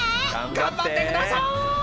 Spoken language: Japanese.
頑張ってください！